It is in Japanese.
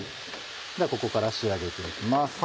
ここから仕上げて行きます。